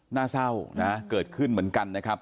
หน้าเศร้านะเกิดขึ้นเหมือนกันนะครับ